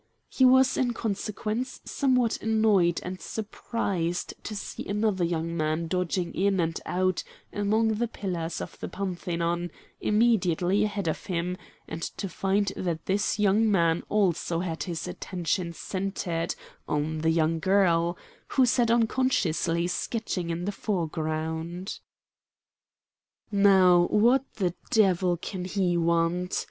He was in consequence somewhat annoyed and surprised to see another young man dodging in and out among the pillars of the Parthenon immediately ahead of him, and to find that this young man also had his attention centred on the young girl, who sat unconsciously sketching in the foreground. "Now what the devil can he want?"